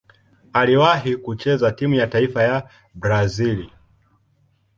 Aliwahi kucheza timu ya taifa ya Brazil.